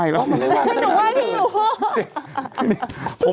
ไม่ค่อยไหว้พี่หนุ่มไหว้พี่หนุ่ม